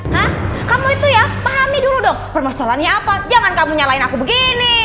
hah kamu itu ya pahami dulu dong permasalahannya apa jangan kamu nyalahin aku begini